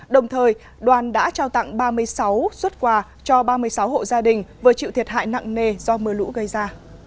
đồng thời đoàn đã trao tặng ba mươi sáu xuất quà cho ba mươi sáu hộ gia đình vừa chịu thiệt hại nặng nề do mưa lũ gây ra